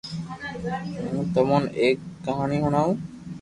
ھون تمو ني ايڪ ڪہاني ھڻاو